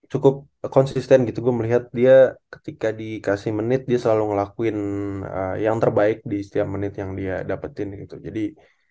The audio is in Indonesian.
cukup konsisten gitu gue melihat dia ketika dikasih menit dia selalu ngelakuin yang terbaik di setiap menit yang dia dapetin gitu jadi